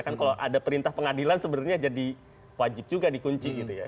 kan kalau ada perintah pengadilan sebenarnya jadi wajib juga dikunci gitu ya